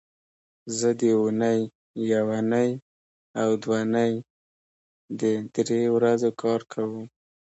زه د اونۍ یونۍ او دونۍ دې درې ورځو کې کار کوم